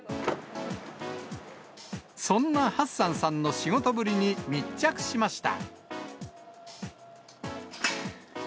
そんなハッサンさんの仕事ぶりに密着しました。